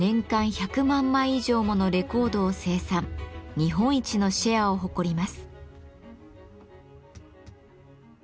日本一のシェアを誇ります。